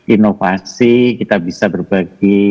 inovasi kita bisa berbagi